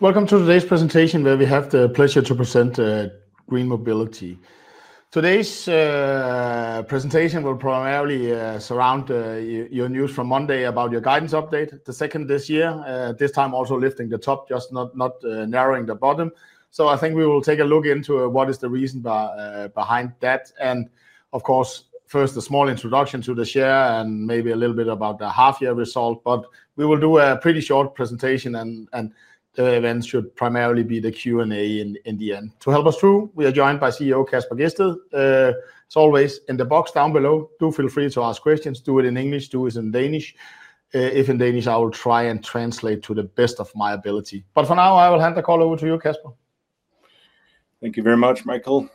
Welcome to today's presentation where we have the pleasure to present GreenMobility. Today's presentation will primarily surround your news from Monday about your guidance update, the second this year. This time also lifting the top, just not narrowing the bottom. I think we will take a look into what is the reason behind that. Of course, first a small introduction to the share and maybe a little bit about the half-year result. We will do a pretty short presentation, and the event should primarily be the Q&A in the end. To help us through, we are joined by CEO Kasper Gjedsted. As always, in the box down below, do feel free to ask questions. Do it in English, do it in Danish. If in Danish, I will try and translate to the best of my ability. For now, I will hand the call over to you, Kasper. Thank you very much, Michael.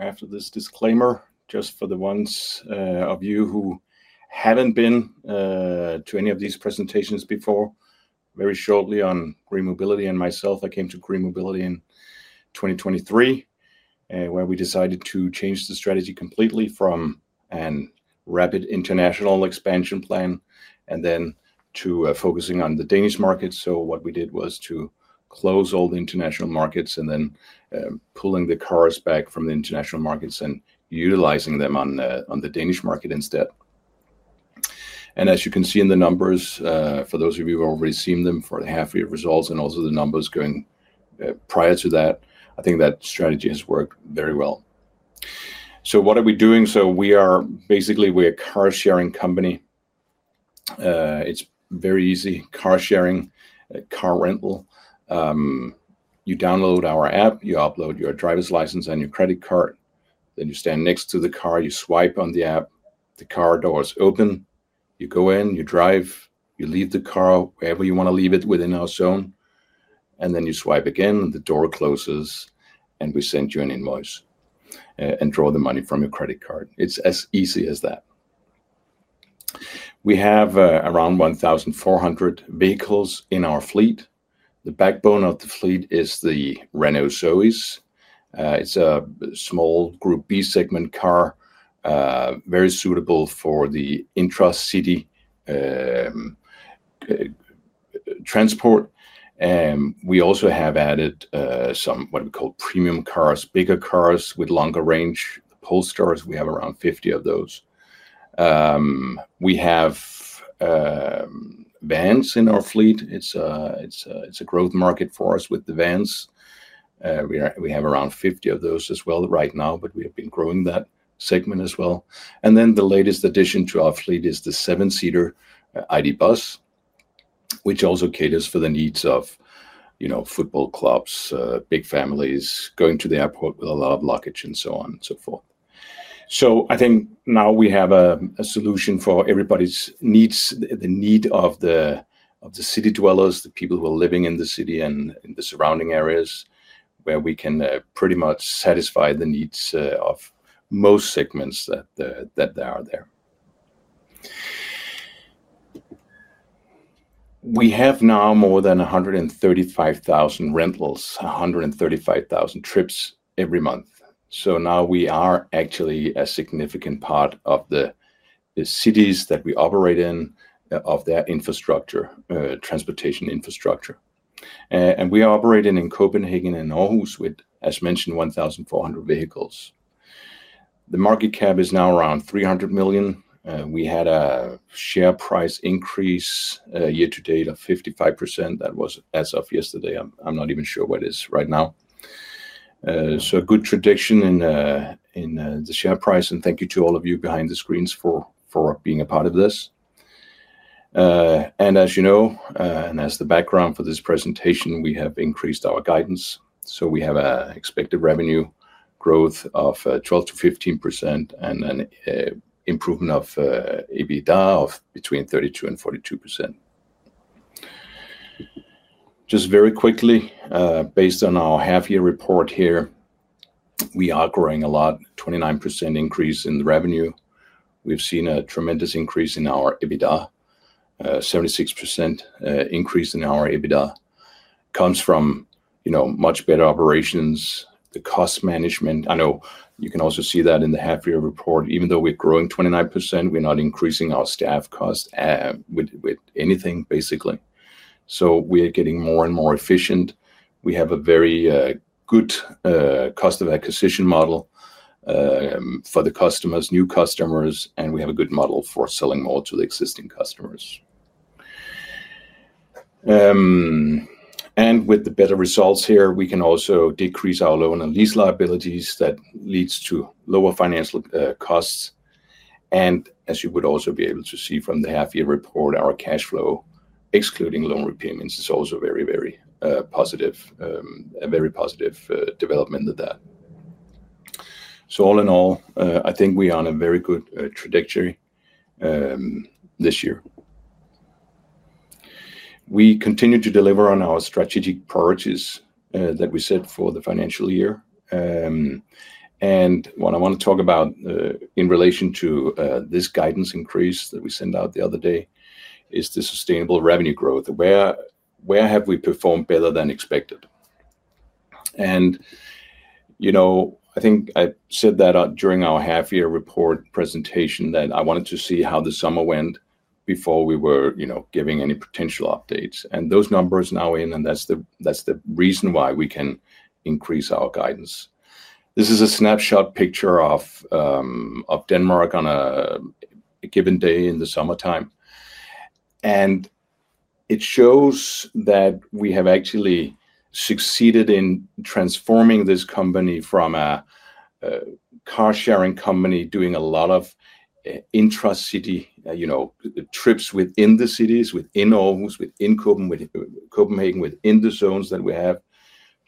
After this disclaimer, just for the ones of you who haven't been to any of these presentations before, very shortly on GreenMobility and myself, I came to GreenMobility in 2023, where we decided to change the strategy completely from a rapid international expansion plan and then to focusing on the Danish market. What we did was to close all the international markets and then pulling the cars back from the international markets and utilizing them on the Danish market instead. As you can see in the numbers, for those of you who have already seen them for the half-year results and also the numbers going prior to that, I think that strategy has worked very well. What are we doing? We are basically a car sharing company. It's very easy, car sharing, car rental. You download our app, you upload your driver's license and your credit card. Then you stand next to the car, you swipe on the app, the car door is open, you go in, you drive, you leave the car wherever you want to leave it within our zone, and then you swipe again and the door closes and we send you an invoice and draw the money from your credit card. It's as easy as that. We have around 1,400 vehicles in our fleet. The backbone of the fleet is the Renault Zoe. It's a small group B segment car, very suitable for the intra-city transport. We also have added some, what we call premium cars, bigger cars with longer range, Polestars. We have around 50 of those. We have vans in our fleet. It's a growth market for us with the vans. We have around 50 of those as well right now, but we have been growing that segment as well. The latest addition to our fleet is the seven-seater ID. Buzz, which also caters for the needs of, you know, football clubs, big families going to the airport with a lot of luggage and so on and so forth. I think now we have a solution for everybody's needs, the need of the city dwellers, the people who are living in the city and the surrounding areas where we can pretty much satisfy the needs of most segments that are there. We have now more than 135,000 rentals, 135,000 trips every month. We are actually a significant part of the cities that we operate in, of their infrastructure, transportation infrastructure. We are operating in Copenhagen and Aarhus with, as mentioned, 1,400 vehicles. The market cap is now around 300 million. We had a share price increase year to date of 55%. That was as of yesterday. I'm not even sure what it is right now. A good tradition in the share price. Thank you to all of you behind the screens for being a part of this. As you know, and as the background for this presentation, we have increased our guidance. We have an expected revenue growth of 12%-15% and an improvement of EBITDA of between 32% and 42%. Just very quickly, based on our half-year report here, we are growing a lot, 29% increase in the revenue. We've seen a tremendous increase in our EBITDA, 76% increase in our EBITDA. It comes from much better operations, the cost management. I know you can also see that in the half-year report. Even though we're growing 29%, we're not increasing our staff cost with anything, basically. We are getting more and more efficient. We have a very good cost of acquisition model for the customers, new customers, and we have a good model for selling more to the existing customers. With the better results here, we can also decrease our loan and lease liabilities that lead to lower financial costs. As you would also be able to see from the half-year report, our cash flow, excluding loan repayments, is also very, very positive, a very positive development of that. All in all, I think we are on a very good trajectory this year. We continue to deliver on our strategic priorities that we set for the financial year. What I want to talk about in relation to this guidance increase that we sent out the other day is the sustainable revenue growth. Where have we performed better than expected? I think I said that during our half-year report presentation that I wanted to see how the summer went before we were giving any potential updates. Those numbers are now in, and that's the reason why we can increase our guidance. This is a snapshot picture of Denmark on a given day in the summertime. It shows that we have actually succeeded in transforming this company from a car sharing company doing a lot of intra-city trips within the cities, within Aarhus, within Copenhagen, within the zones that we have,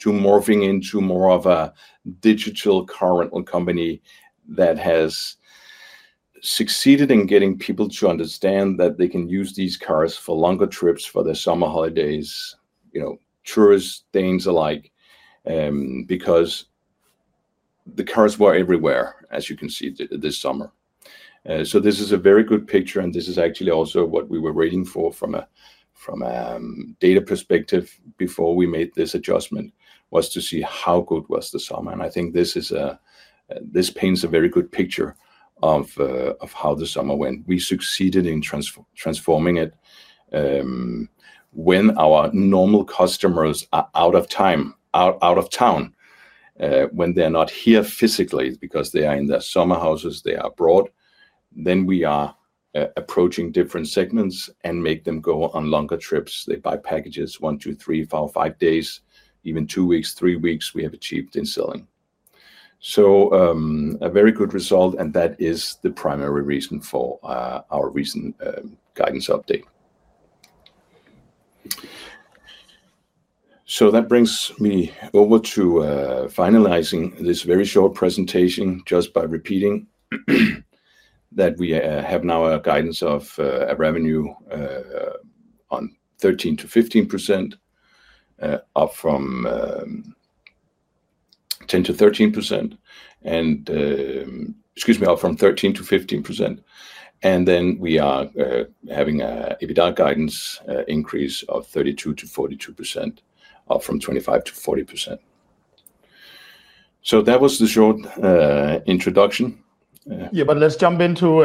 to morphing into more of a digital car rental company that has succeeded in getting people to understand that they can use these cars for longer trips, for their summer holidays, tourists, Danes alike, because the cars were everywhere, as you can see, this summer. This is a very good picture. This is actually also what we were waiting for from a data perspective before we made this adjustment, to see how good was the summer. I think this paints a very good picture of how the summer went. We succeeded in transforming it. When our normal customers are out of town, when they're not here physically because they are in their summer houses, they are abroad, we are approaching different segments and make them go on longer trips. They buy packages, one, two, three, four, five days, even two weeks, three weeks, we have achieved in selling. A very good result, and that is the primary reason for our recent guidance update. That brings me over to finalizing this very short presentation just by repeating that we have now a guidance of revenue on 13%-15%, up from 10%-13%, and excuse me, up from 13%-15%. We are having an EBITDA guidance increase of 32%-42%, up from 25%-40%. That was the short introduction. Yeah, let's jump into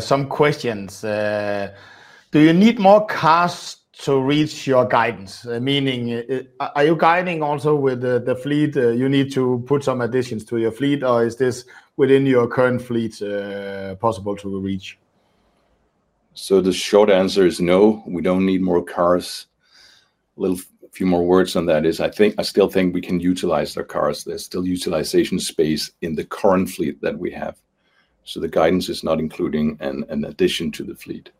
some questions. Do you need more cars to reach your guidance? Meaning, are you guiding also with the fleet? You need to put some additions to your fleet, or is this within your current fleet possible to reach? The short answer is no, we don't need more cars. A few more words on that is I still think we can utilize their cars. There's still utilization space in the current fleet that we have. The guidance is not including an addition to the fleet.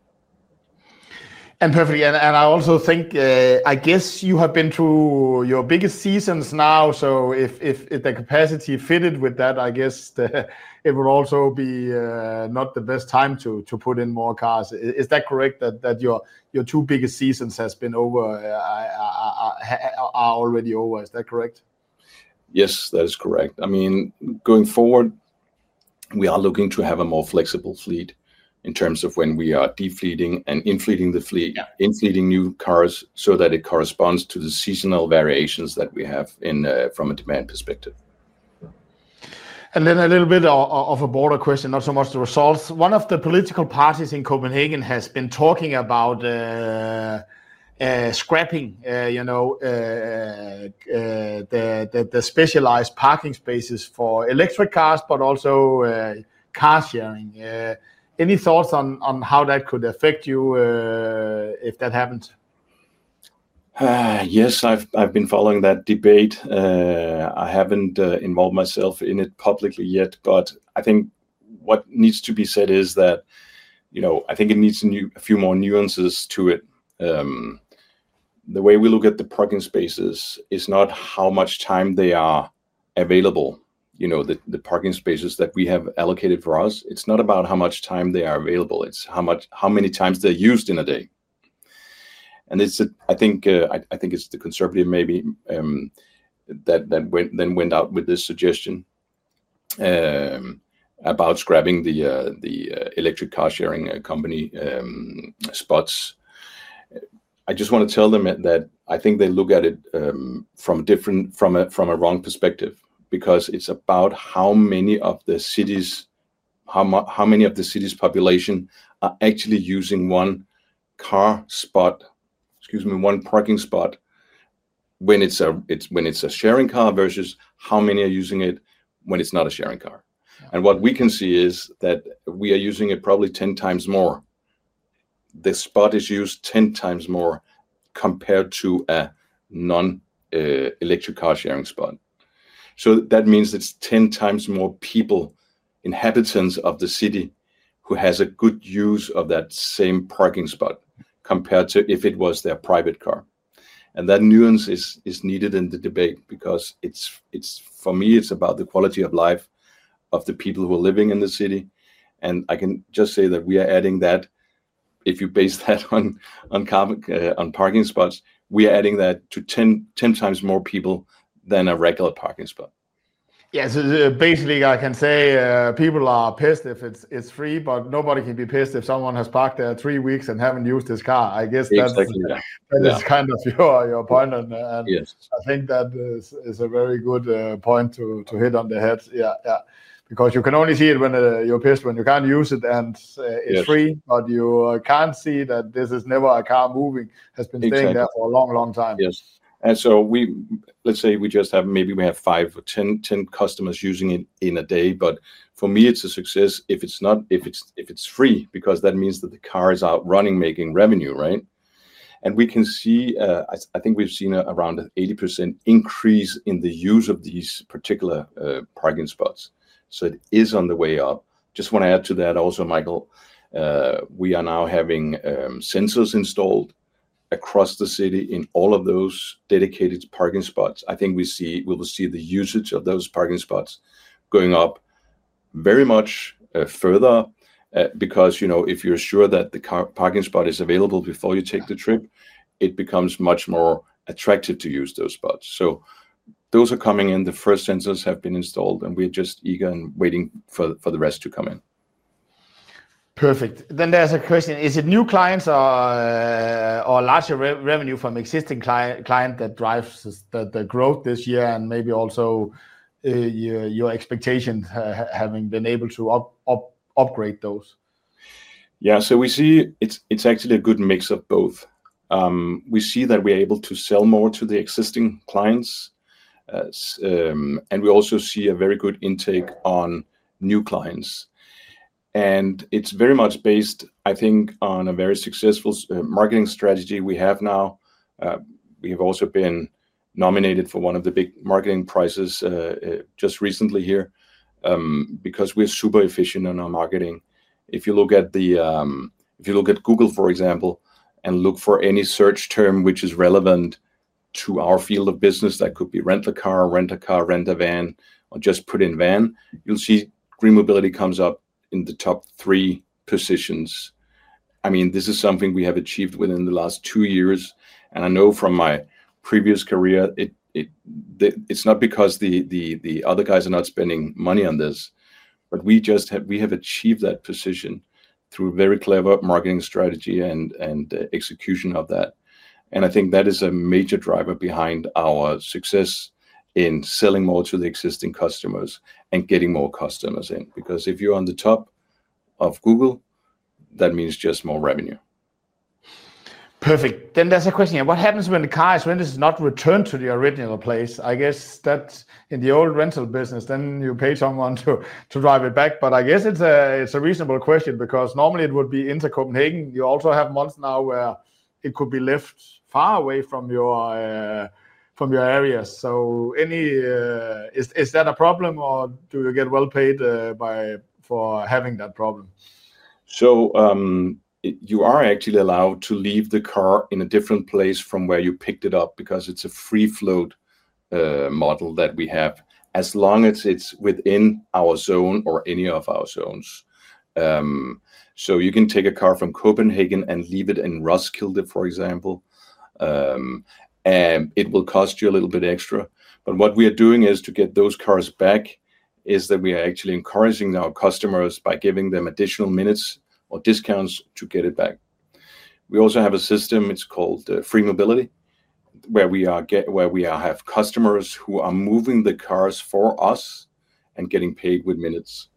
I also think, I guess you have been through your biggest seasons now. If the capacity fitted with that, I guess it would also be not the best time to put in more cars. Is that correct, that your two biggest seasons have been over, are already over? Is that correct? Yes, that is correct. Going forward, we are looking to have a more flexible fleet in terms of when we are defleeting and infleeting the fleet, infleeting new cars so that it corresponds to the seasonal variations that we have from a demand perspective. A little bit of a broader question, not so much the results. One of the political parties in Copenhagen has been talking about scrapping the specialized parking spaces for electric cars, but also car sharing. Any thoughts on how that could affect you if that happened? Yes, I've been following that debate. I haven't involved myself in it publicly yet, but I think what needs to be said is that, you know, I think it needs a few more nuances to it. The way we look at the parking spaces is not how much time they are available. The parking spaces that we have allocated for us, it's not about how much time they are available. It's how many times they're used in a day. I think it's the conservative maybe that went out with this suggestion about scrapping the electric car sharing company spots. I just want to tell them that I think they look at it from a wrong perspective because it's about how many of the city's population are actually using one parking spot when it's a sharing car versus how many are using it when it's not a sharing car. What we can see is that we are using it probably 10x more. The spot is used 10x more compared to a non-electric car sharing spot. That means it's 10x more people, inhabitants of the city, who have a good use of that same parking spot compared to if it was their private car. That nuance is needed in the debate because for me, it's about the quality of life of the people who are living in the city. I can just say that we are adding that, if you base that on parking spots, we are adding that to 10x more people than a regular parking spot. Yeah, basically I can say people are pissed if it's free, but nobody can be pissed if someone has parked there for three weeks and hasn't used this car. I guess that's kind of your point. I think that is a very good point to hit on the head. You can only see it when you're pissed when you can't use it and it's free, but you can't see that this is never a car moving, has been staying there for a long, long time. Yes. We just have, maybe we have five or ten customers using it in a day, but for me, it's a success if it's free, because that means that the car is out running, making revenue, right? We can see, I think we've seen around an 80% increase in the use of these particular parking spots. It is on the way up. I just want to add to that also, Michael, we are now having sensors installed across the city in all of those dedicated parking spots. I think we will see the usage of those parking spots going up very much further because, you know, if you're sure that the parking spot is available before you take the trip, it becomes much more attractive to use those spots. Those are coming in. The first sensors have been installed and we're just eager and waiting for the rest to come in. Perfect. There is a question. Is it new clients or larger revenue from existing clients that drive the growth this year, and maybe also your expectations having been able to upgrade those? Yeah, so we see it's actually a good mix of both. We see that we're able to sell more to the existing clients, and we also see a very good intake on new clients. It's very much based, I think, on a very successful digital marketing strategy we have now. We have also been nominated for one of the big marketing prizes just recently here because we're super efficient in our marketing. If you look at Google, for example, and look for any search term which is relevant to our field of business, that could be car rental, car rental, rental van, or just put in van, you'll see GreenMobility comes up in the top three positions. This is something we have achieved within the last two years. I know from my previous career, it's not because the other guys are not spending money on this, but we just have, we have achieved that position through very clever digital marketing strategy and execution of that. I think that is a major driver behind our success in selling more to the existing customers and getting more customers in. If you're on the top of Google, that means just more revenue. Perfect. There's a question. What happens when the car is rented and not returned to the original place? I guess that in the old car rental business, you pay someone to drive it back. I guess it's a reasonable question because normally it would be into Copenhagen. You also have months now where it could be left far away from your areas. Is that a problem or do you get well paid for having that problem? You are actually allowed to leave the car in a different place from where you picked it up because it's a free float car sharing model that we have, as long as it's within our zone or any of our zones. You can take a car from Copenhagen and leave it in Roskilde, for example. It will cost you a little bit extra. What we are doing to get those cars back is that we are actually encouraging our customers by giving them additional minutes or discounts to get it back. We also have a system, it's called FreeMobility, where we have customers who are moving the cars for us and getting paid with minutes.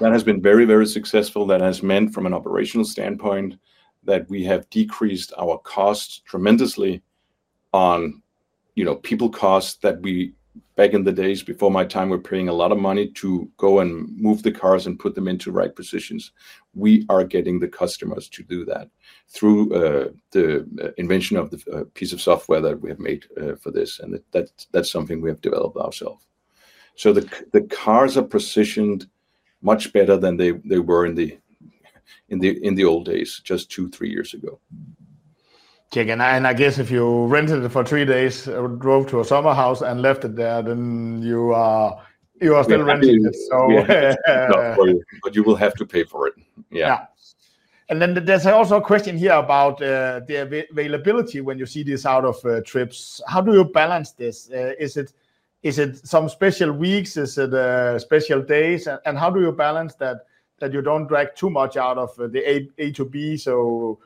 That has been very, very successful. That has meant from an operational standpoint that we have decreased our costs tremendously on people costs that we, back in the days before my time, were paying a lot of money to go and move the cars and put them into right positions. We are getting the customers to do that through the invention of the piece of software that we have made for this. That's something we have developed ourselves. The cars are positioned much better than they were in the old days, just two or three years ago. If you rented it for three days, drove to a summer house and left it there, you are still renting it. Not fully, but you will have to pay for it. Yeah. There is also a question here about the availability when you see this out of trips. How do you balance this? Is it some special weeks? Is it special days? How do you balance that you don't drag too much out of the A to B so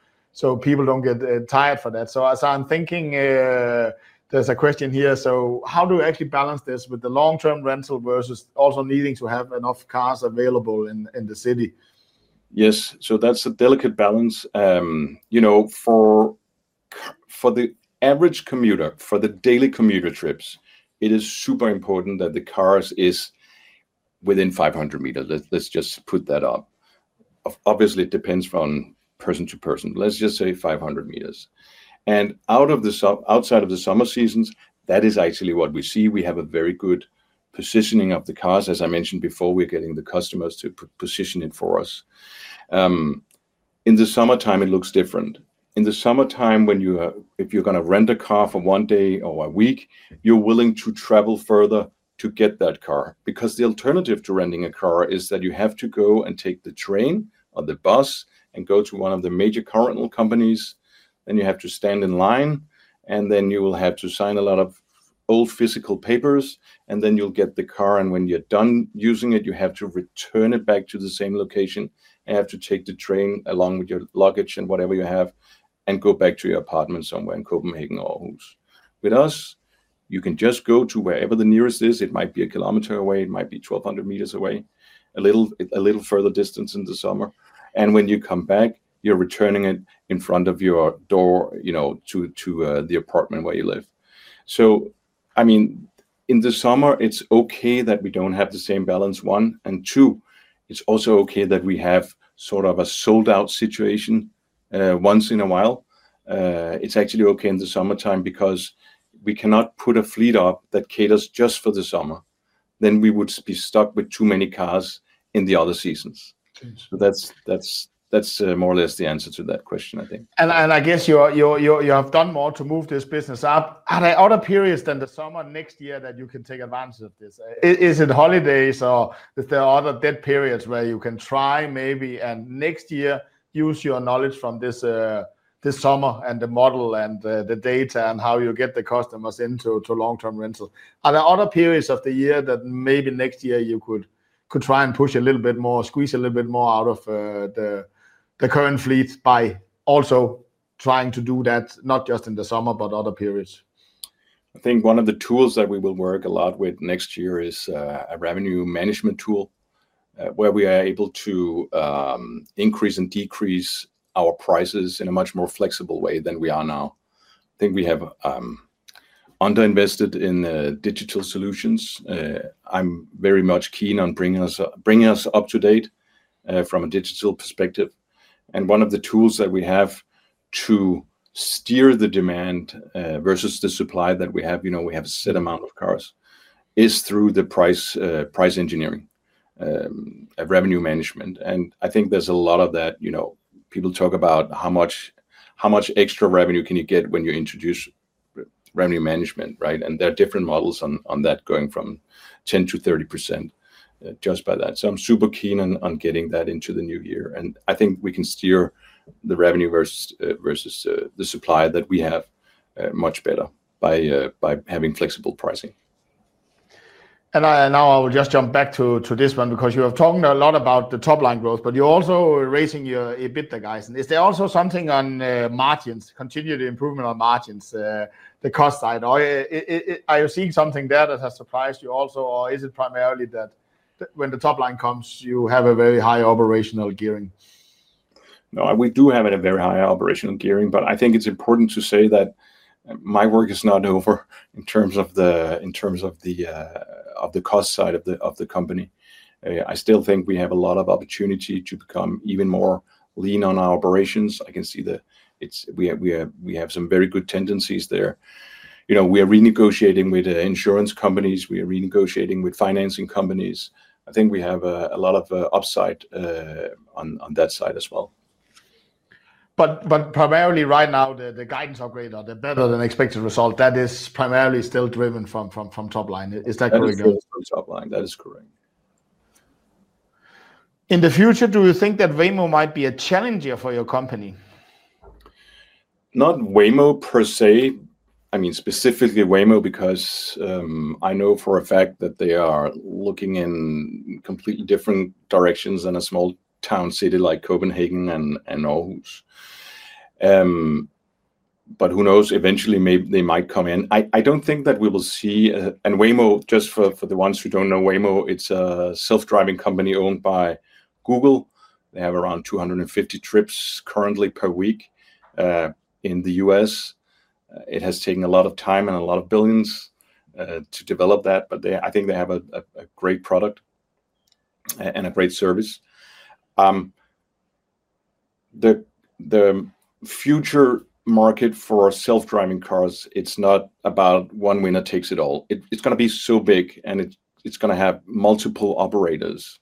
people don't get tired for that? As I'm thinking, there's a question here. How do you actually balance this with the long-term rental versus also needing to have enough cars available in the city? Yes, so that's a delicate balance. You know, for the average commuter, for the daily commuter trips, it is super important that the car is within 500 m. Let's just put that up. Obviously, it depends from person to person, but let's just say 500 meters. Outside of the summer seasons, that is actually what we see. We have a very good positioning of the cars. As I mentioned before, we're getting the customers to position it for us. In the summertime, it looks different. In the summertime, if you're going to rent a car for one day or a week, you're willing to travel further to get that car because the alternative to renting a car is that you have to go and take the train or the bus and go to one of the major car rental companies. You have to stand in line, and then you will have to sign a lot of old physical papers, and then you'll get the car. When you're done using it, you have to return it back to the same location and have to take the train along with your luggage and whatever you have and go back to your apartment somewhere in Copenhagen or Aarhus. With us, you can just go to wherever the nearest is. It might be a km away. It might be 1,200 m away, a little further distance in the summer. When you come back, you're returning it in front of your door, you know, to the apartment where you live. In the summer, it's okay that we don't have the same balance. One, and two, it's also okay that we have sort of a sold-out situation once in a while. It's actually okay in the summertime because we cannot put a fleet up that caters just for the summer. We would be stuck with too many cars in the other seasons. That's more or less the answer to that question, I think. You have done more to move this business up. Are there other periods than the summer next year that you can take advantage of this? Is it holidays or are there other dead periods where you can try maybe next year to use your knowledge from this summer and the model and the data and how you get the customers into long-term rental? Are there other periods of the year that maybe next year you could try and push a little bit more, squeeze a little bit more out of the current fleet by also trying to do that not just in the summer, but other periods? I think one of the tools that we will work a lot with next year is a revenue management tool where we are able to increase and decrease our prices in a much more flexible way than we are now. I think we have underinvested in digital solutions. I'm very much keen on bringing us up to date from a digital perspective. One of the tools that we have to steer the demand versus the supply that we have, you know, we have a set amount of cars, is through the price engineering, revenue management. I think there's a lot of that, you know, people talk about how much extra revenue can you get when you introduce revenue management, right? There are different models on that going from 10% to 30% just by that. I'm super keen on getting that into the new year. I think we can steer the revenue versus the supply that we have much better by having flexible pricing. I will just jump back to this one because you have talked a lot about the top line growth, but you're also raising your EBITDA guidance. Is there also something on margins, continued improvement on margins, the cost side? Are you seeing something there that has surprised you also? Is it primarily that when the top line comes, you have a very high operational gearing? No, we do have a very high operational gearing, but I think it's important to say that my work is not over in terms of the cost side of the company. I still think we have a lot of opportunity to become even more lean on our operations. I can see that we have some very good tendencies there. We are renegotiating with insurance companies. We are renegotiating with financing companies. I think we have a lot of upside on that side as well. Primarily right now, the guidance upgrades are better than expected result. That is primarily still driven from top line. Is that correct? That is correct. That is correct. In the future, do you think that Waymo might be a challenge for your company? Not Waymo per se. I mean, specifically Waymo, because I know for a fact that they are looking in completely different directions than a small town city like Copenhagen and Aarhus. Who knows, eventually they might come in. I don't think that we will see, and Waymo, just for the ones who don't know Waymo, it's a self-driving company owned by Google. They have around 250 trips currently per week in the U.S. It has taken a lot of time and a lot of billions to develop that, but I think they have a great product and a great service. The future market for self-driving cars, it's not about one winner takes it all. It's going to be so big and it's going to have multiple operators.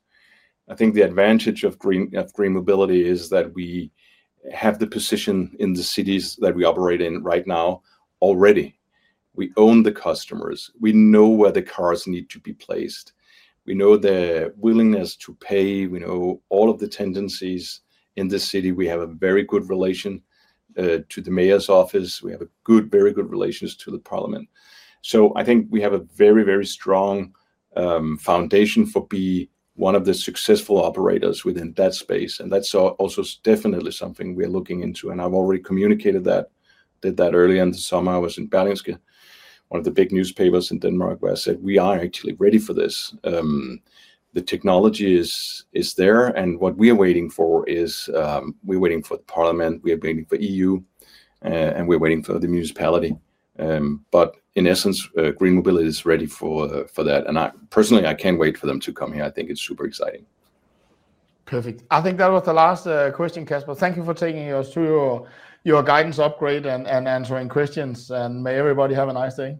I think the advantage of GreenMobility is that we have the position in the cities that we operate in right now already. We own the customers. We know where the cars need to be placed. We know the willingness to pay. We know all of the tendencies in the city. We have a very good relation to the mayor's office. We have very good relations to the parliament. I think we have a very, very strong foundation for being one of the successful operators within that space. That's also definitely something we're looking into. I've already communicated that early in the summer. I was in Berlingske, one of the big newspapers in Denmark, where I said we are actually ready for this. The technology is there. What we are waiting for is we're waiting for the parliament. We are waiting for the EU. We're waiting for the municipality. In essence, GreenMobility is ready for that. Personally, I can't wait for them to come here. I think it's super exciting. Perfect. I think that was the last question, Kasper. Thank you for taking us through your guidance upgrade and answering questions. May everybody have a nice day.